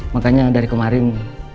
makanya dari kemarin